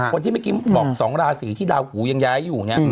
คนที่เมื่อกี้บอกสองราศีที่ดาวกุยังย้ายอยู่